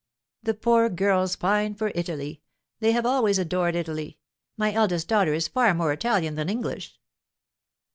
"The poor girls pine for Italy; they have always adored Italy. My eldest daughter is far more Italian than English."